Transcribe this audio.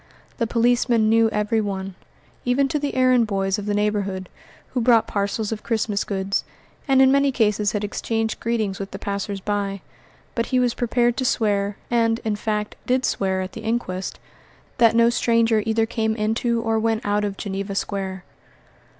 The policeman knew every one, even to the errand boys of the neighbourhood, who brought parcels of Christmas goods, and in many cases had exchanged greetings with the passers by; but he was prepared to swear, and, in fact, did swear at the inquest, that no stranger either came into or went out of Geneva Square.